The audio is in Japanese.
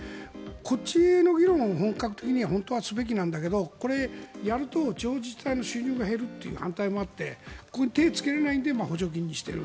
こっちの議論を本当はすべきなんだけどこれをやると地方自治体の収入が減るという反対もあって手をつけられないので補助金にしている。